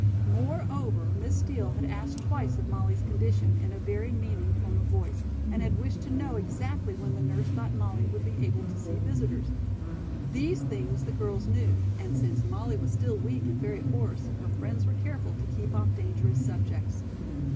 Moreover, Miss Steel had asked twice of Molly's condition in a very meaning tone of voice, and had wished to know exactly when the nurse thought Molly would be able to see visitors. These things the girls knew, and since Molly was still weak and very hoarse, her friends were careful to keep off dangerous subjects.